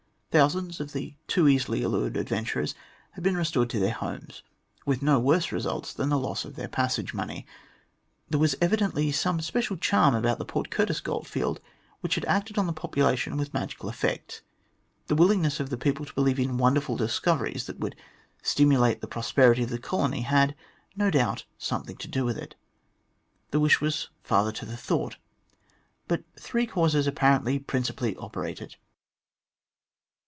Thousands of the too easily allured adventurers had been restored to their homes with no worse results than the loss of their passage money. There was evidently some special charm about the Port Curtis goldfield which had acted on the population with magical effect. The willingness of the people to believe in wonderful discoveries that would stimulate the prosperity of the colony had, no doubt, some thing to do with it. The wish was father to the thought. But three causes apparently principally operated.